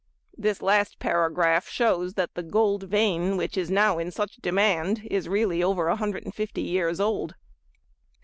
This last paragraph shows that the gold vein which is now in such demand is really over 150 years old.